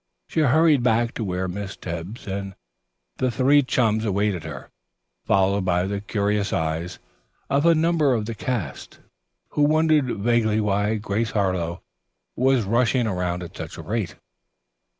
She hurried back to where Miss Tebbs and the three chums awaited her, followed by the curious eyes of a number of the cast, who wondered vaguely why Grace Harlowe was rushing around at such a rate.